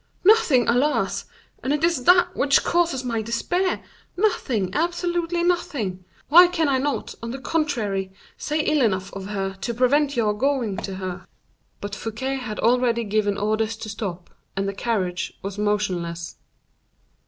"Nothing, alas! and it is that which causes my despair. Nothing, absolutely nothing. Why can I not, on the contrary, say ill enough of her to prevent your going to her?" But Fouquet had already given orders to stop, and the carriage was motionless.